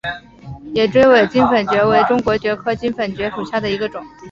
野雉尾金粉蕨为中国蕨科金粉蕨属下的一个种。